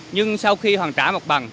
nhưng sau khi hoàn trả một bằng